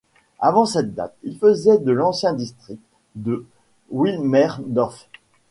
Avant cette date, il faisait de l'ancien district de Wilmersdorf.